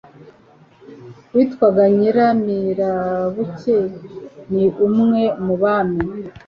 witwaga Nyiramirabuke. Ni umwe mu bami